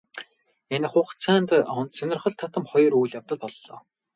Энэ хугацаанд онц сонирхол татам хоёр үйл явдал боллоо.